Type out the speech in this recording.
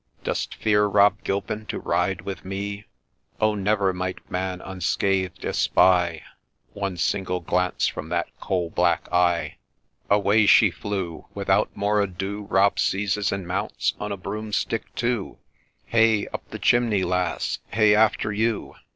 ' Dost fear, Rob Gilpin, to ride with me ?'— Oh, never might man unscath'd espy One single glance from that coal black eye. — Away she flew !— Without more ado Rob seizes and mounts on a broomstick too, ' Hey ! up the chimney, lass ! Hey after you